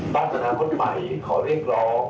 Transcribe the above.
บ้านมหาคนใหม่ขอเรียกร้อง